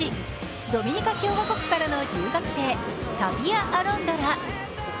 ドミニカ共和国からの留学生タピア・アロンドラ。